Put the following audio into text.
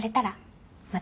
また！？